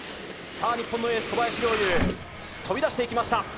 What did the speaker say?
日本のエース・小林陵侑、飛び出していきました。